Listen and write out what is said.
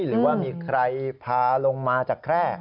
หรือว่ามีใครพาลงมาจากแคร่